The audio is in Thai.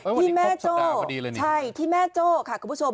ที่แม่โจ้ที่แม่โจ้ค่ะคุณผู้ชม